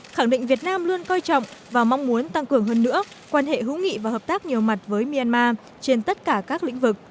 khẳng định việt nam luôn coi trọng và mong muốn tăng cường hơn nữa quan hệ hữu nghị và hợp tác nhiều mặt với myanmar trên tất cả các lĩnh vực